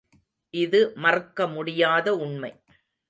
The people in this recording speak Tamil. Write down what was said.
இது மறுக்கமுடியாத உண்மை.